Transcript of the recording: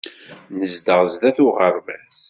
Nezdeɣ sdat uɣerbaz.